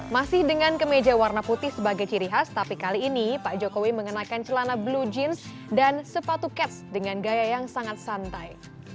masih dengan kemeja warna putih sebagai ciri khas tapi kali ini pak jokowi mengenakan celana blue jeans dan sepatu cats dengan gaya yang sangat santai